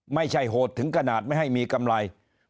ไม่ใช่โหดถึงขนาดไม่ให้มีกำไร